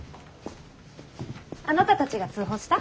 あなたたちが通報した？